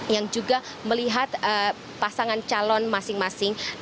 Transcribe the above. yang juga melihat pasangan calon masing masing dari gubernur